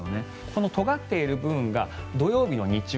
このとがっている部分が土曜日の日中